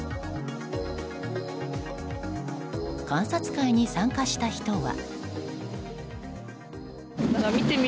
観察会に参加した人は。